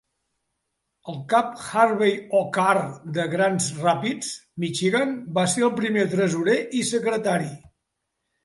El cap Harvey O. Carr de Grand Rapids, Michigan, va ser el primer tresorer i secretari.